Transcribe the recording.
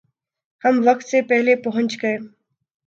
ہم وقت سے پہلے پہنچیں گے